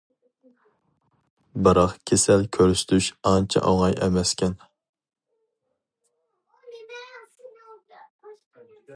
بىراق كېسەل كۆرسىتىش ئانچە ئوڭاي ئەمەسكەن.